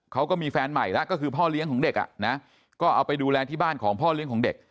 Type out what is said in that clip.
เขาก็มีแฟนใหม่แล้วก็คือพ่อเลี้ยงของเด็กอ่ะนะก็เอาไปดูแลที่บ้านของพ่อเลี้ยงของเด็ก